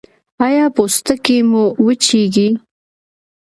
ایا پوستکی مو وچیږي؟